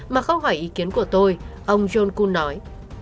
mà không hỏi ý kiến của tôi ông john kun nói